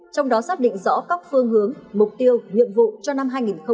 trong đó xác định rõ các phương hướng mục tiêu nhiệm vụ cho năm hai nghìn hai mươi